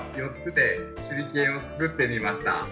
４つで手裏剣を作ってみました。